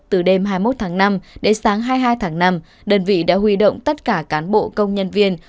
từ đêm hai mươi một tháng năm đến sáng hai mươi hai tháng năm đơn vị đã huy động tất cả cán bộ công nhân viên